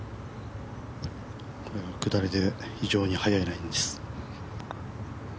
これは下りで、非常に速いライです。